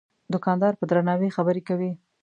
دوکاندار په درناوي خبرې کوي.